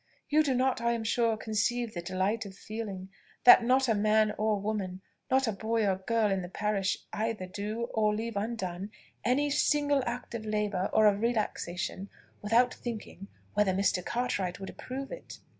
You do not, I am sure, conceive the delight of feeling, that not a man or woman not a boy or girl in the parish either do, or leave undone, any single act of labour or of relaxation, without thinking whether Mr. Cartwright would approve it.